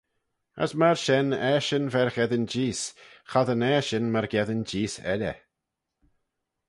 As myr shen eshyn v'er gheddyn jees, chossyn eshyn myrgeddin jees elley.